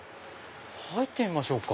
入ってみましょうか。